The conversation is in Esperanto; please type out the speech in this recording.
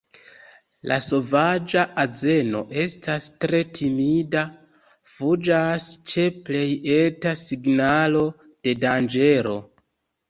La sovaĝa azeno estas tre timida, fuĝas ĉe plej eta signalo de danĝero.